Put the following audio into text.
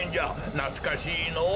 なつかしいのぉ。